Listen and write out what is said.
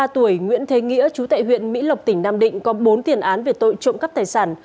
ba mươi tuổi nguyễn thế nghĩa chú tại huyện mỹ lộc tỉnh nam định có bốn tiền án về tội trộm cắp tài sản